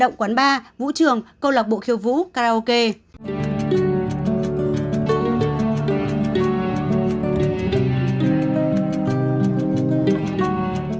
các dịch vụ như massage spa làm đẹp quán bar vũ trường câu lạc bộ khiêu vũ karaoke được hoạt động ở cả ba cấp độ dịch thấp nhất đồng thời khống chế số lượng khách cùng lúc tối đa năm mươi công suất ở địa bàn cấp độ hai